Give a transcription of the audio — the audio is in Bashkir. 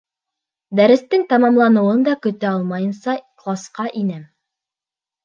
Дәрестең тамамланыуын да көтә алмайынса, класҡа инәм.